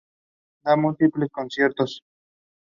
He was buried at Glenwood Cemetery in Houston.